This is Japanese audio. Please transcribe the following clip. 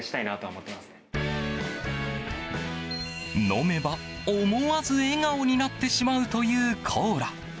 飲めば思わず笑顔になってしまうというコーラ。